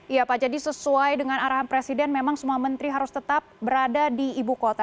iya pak jadi sesuai dengan arahan presiden memang semua menteri harus tetap berada di ibu kota